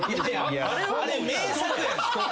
あれ名作やん。